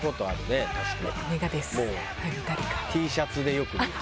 Ｔシャツでよく見る。